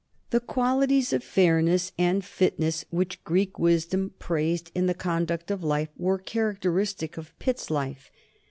The qualities of fairness and fitness which Greek wisdom praised in the conduct of life were characteristic of Pitt's life.